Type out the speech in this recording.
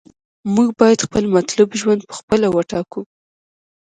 موږ باید خپل مطلوب ژوند په خپله وټاکو.